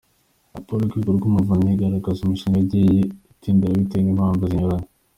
Raporo y’Urwego rw’Umuvunyi igaragaza imishinga yagiye idindira bitewe n’impamvu zinyuranye.